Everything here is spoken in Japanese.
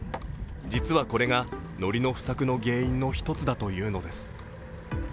実はこれが、のり不作の原因の１つだというのです。